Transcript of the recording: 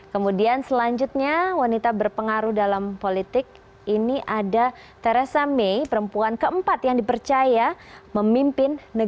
kemudian selanjutnya wanita berpengaruh dalam politik ini ada teresa may perempuan keempat yang dipercaya memimpin